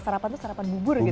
sarapan tuh sarapan bubur gitu ya